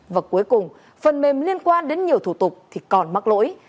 và cuối cùng phần mềm liên quan đến nhiều thủ tục thì còn mắc lỗi